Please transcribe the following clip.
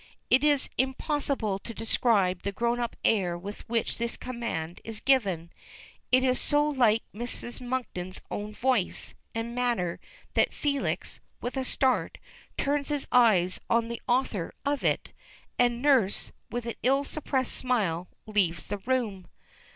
It is impossible to describe the grown up air with which this command is given. It is so like Mrs. Monkton's own voice and manner that Felix, with a start, turns his eyes on the author of it, and nurse, with an ill suppressed smile, leaves the room.